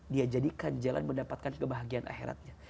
dia jadikan jalan mendapatkan kebahagiaan akhiratnya